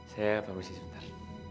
saya pamit sih sebentar